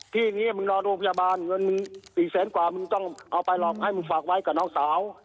ที่นี้มึงรอโรงพยาบาลเงินมึง๔แสนกว่ามึงต้องเอาไปหรอกให้มึงฝากไว้กับน้องสาว